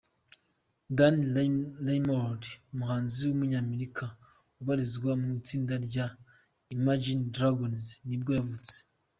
Dan Reynolds, umuhanzi w’umunyamerika ubarizwa mu itsinda rya Imagine Dragons nibwo yavutse.